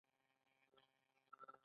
دا د تصامیمو د لارښوونې لپاره دی.